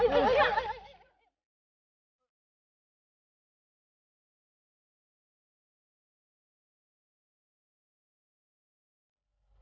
ibu disini yuk